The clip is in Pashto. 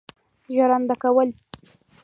ژرنده کول.